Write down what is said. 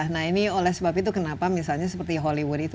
nah ini oleh sebab itu kenapa misalnya seperti hollywood itu